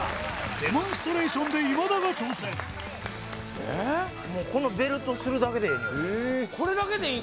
デモンストレーションでもうこのベルトするだけでええのよ